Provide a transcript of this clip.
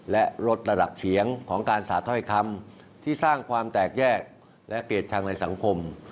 และลดระดับเสียงของการสาธ้อยคำที่สร้างความแตกแยกและเกลียดชังในสังคม